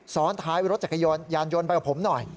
สอนท้ายรถจักรยานยนต์ไปกับผมหน่อย